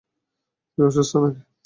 তুই অসুস্থ নাকি?